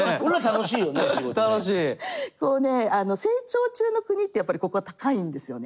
成長中の国ってやっぱりここは高いんですよね。